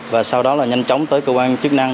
và sau đó là nhanh chóng tới cơ quan chức năng